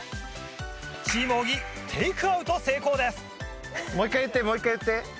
チーム小木テイクアウト成功です。